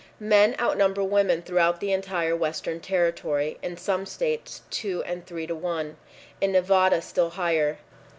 Men outnumber women throughout the entire western territory; in some states, two and three to one; in Nevada, still higher.